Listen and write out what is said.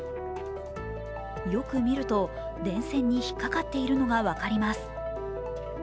よく見ると電線に引っかかっているのが分かります。